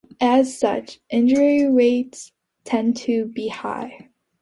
As such, injury rates tend to be high.